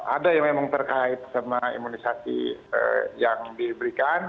ada yang memang terkait sama imunisasi yang diberikan